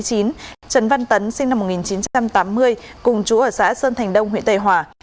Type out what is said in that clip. trần văn tấn sinh năm một nghìn chín trăm tám mươi cùng chú ở xã sơn thành đông huyện tây hòa